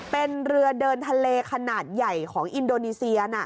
เป็นเรือเดินทะเลขนาดใหญ่ของอินโดนีเซียน่ะ